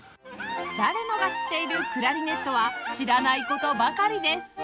誰もが知っているクラリネットは知らない事ばかりです